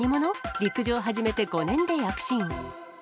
陸上始めて５年で躍進。